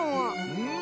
うん。